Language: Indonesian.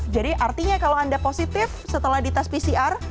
jadi artinya kalau anda positif setelah di tes pcr